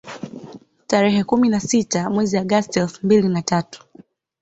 Tarehe kumi na sita mwezi Agosti elfu mbili na tatu